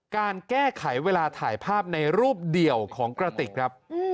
การแก้ไขเวลาถ่ายภาพในรูปเดี่ยวของกระติกครับ